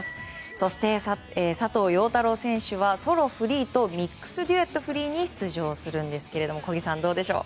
そして、佐藤陽太郎選手はソロフリーとミックスデュエットフリーに出場しますが小木さん、どうでしょう？